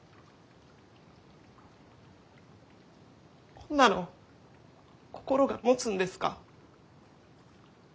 こんなの心がもつんですか？